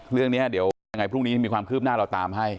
เรื่องนี้เดี๋ยวยังไงพรุ่งนี้มีความคืบหน้าเราตามให้